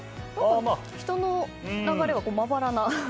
人の流れはまばらな。